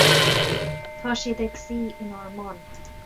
Tá siad ag suí inár mbun.